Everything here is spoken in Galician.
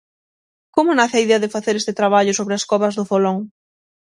Como nace a idea de facer este traballo sobre as covas do Folón?